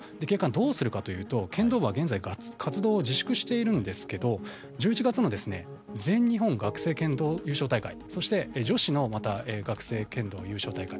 どうするかというと剣道部は現在活動を自粛しているんですが１１月の全日本学生剣道優勝大会そして女子の学生剣道の優勝大会